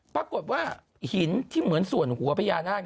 ปรากฏว่าหินที่เหมือนส่วนหัวพญานาค